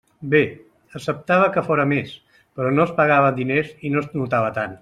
Bé: acceptava que fóra més; però no es pagava en diners i no es notava tant.